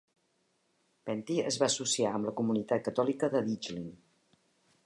Penty es va associar amb la comunitat catòlica de Ditchling.